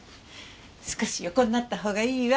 少し横になった方がいいわ。